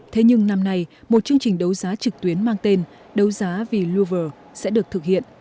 thế nhưng năm nay một chương trình đấu giá trực tuyến mang tên đấu giá vì louvre sẽ được thực hiện